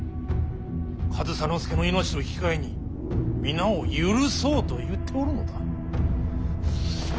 上総介の命と引き換えに皆を許そうと言っておるのだ。